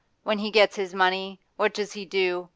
When he gets his money, what does he do?